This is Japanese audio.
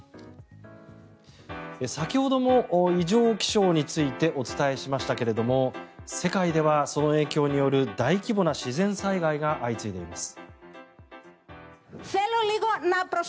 先ほども異常気象についてお伝えしましたけども世界ではその影響による大規模な自然災害が相次いでいます。